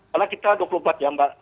terus karena kita dua puluh empat jam mbak